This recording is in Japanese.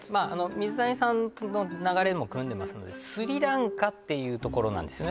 水谷さんの流れもくんでますのでスリランカっていうところなんですよね